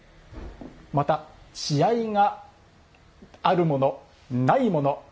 また血合いがあるものないもの。